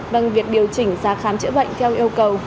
vâng việc điều chỉnh giá khám chữa bệnh theo yêu cầu